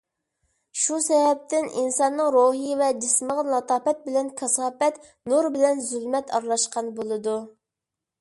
شۇ سەۋەبتىن ئىنساننىڭ روھى ۋە جىسمىغا لاتاپەت بىلەن كاساپەت، نۇر بىلەن زۇلمەت ئارىلاشقان بولىدۇ.